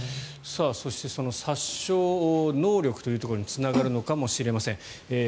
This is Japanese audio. そしてその殺傷能力というところにつながるのかもしれません。